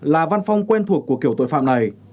là văn phong quen thuộc của kiểu tội phạm này